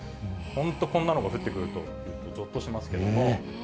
本当、こんなのが降ってくると、ぞっとしますけれども。